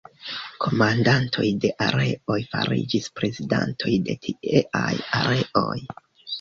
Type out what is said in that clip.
Komandantoj de areoj fariĝis prezidantoj de tieaj areoj.